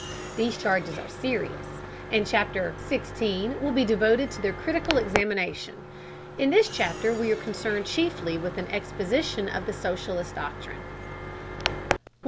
These charges are serious, and Chapter XVI will be devoted to their critical examination. In this chapter we are concerned chiefly with an exposition of the socialist doctrine. 126.